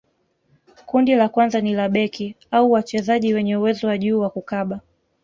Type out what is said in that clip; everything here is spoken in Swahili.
kundi la kwanza ni la beki au wachezaji wenye uwezo wa juu wa kukaba